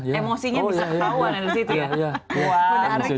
emosinya bisa ketahuan dari situ ya